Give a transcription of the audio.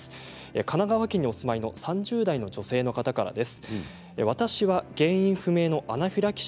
神奈川県にお住まいの３０代の女性の方からです。